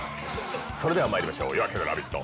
それではまいりましょう、「夜明けのラヴィット！」